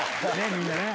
みんなね。